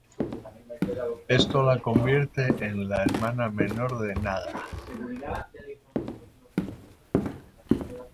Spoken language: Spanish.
Esto la convierte en la hermana menor de Naga.